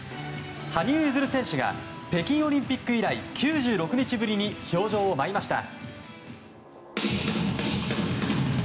羽生結弦選手が北京オリンピック以来９６日ぶりに氷上を舞いました。